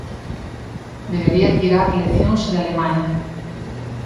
Debería tirar leccións de Alemaña.